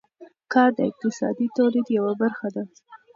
کار د اقتصادي تولید یوه برخه ده.